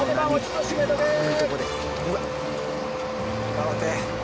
頑張って。